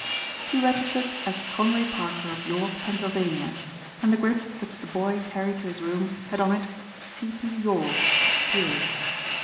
He registered as Conway Parker of York, Pennsylvania and the grip which the boy carried to his room had on it "C.P. York, Pa."